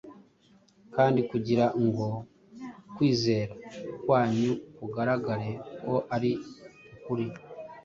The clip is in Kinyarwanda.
kandi kugira ngo kwizera kwanyu kugaragare ko ari uk’ukuri,